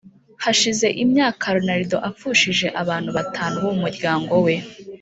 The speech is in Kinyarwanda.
Hashize imyaka Ronaldo apfushije abantu batanu bo mu muryango we